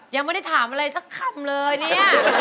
ยังไม่ได้ถามอะไรสักคำเลยเนี่ย